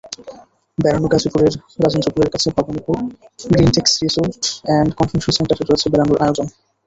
বেড়ানোগাজীপুরের রাজেন্দ্রপুরের কাছে ভবানীপুরে Greentech resort and convention সেন্টারে রয়েছে বেড়ানোর আয়োজন।